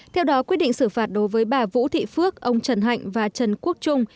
theo đó quyết định xử phạt đối với bà vũ thị phước ông trần hạnh và trần quốc trung